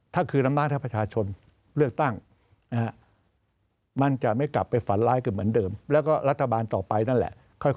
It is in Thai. ถ้าคือนำราชาประชาชนเลือกตั้งนะฮะ